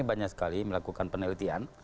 banyak sekali melakukan penelitian